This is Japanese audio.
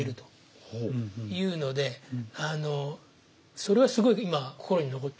それはすごい今心に残ってますね。